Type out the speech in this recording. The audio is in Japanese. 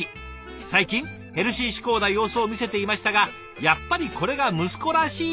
最近ヘルシー志向な様子を見せていましたがやっぱりこれが息子らしい」